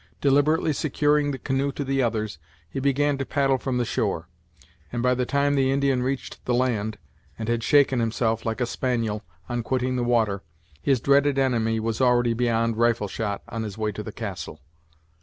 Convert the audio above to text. Deliberately securing the canoe to the others, he began to paddle from the shore; and by the time the Indian reached the land, and had shaken himself, like a spaniel, on quitting the water, his dreaded enemy was already beyond rifle shot on his way to the castle.